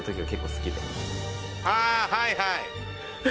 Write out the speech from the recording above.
あはいはい。